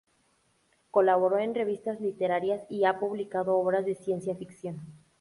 Colaboró en revistas literarias y ha publicado obras de ciencia ficción.